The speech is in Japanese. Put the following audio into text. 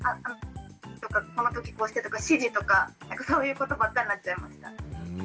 この時こうしてとか指示とかそういうことばっかりになっちゃいました。